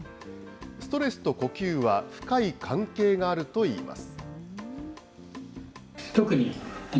ストレスと呼吸は深い関係があるといいます。